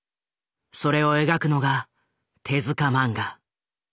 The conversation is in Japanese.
それを描くのが手漫画。